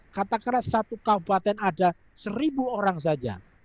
katakanlah satu kabupaten ada seribu orang saja